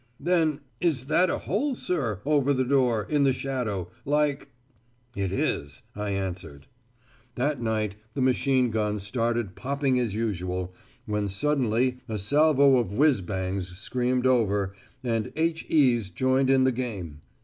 Then, "Is that a hole, sir, over the door, in the shadow, like ...?" "It is," I answered That night the machine gun started popping as usual, when suddenly a salvo of whizz bangs screamed over, and H.E.'s joined in the game.